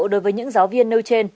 đối với những giáo viên nêu trên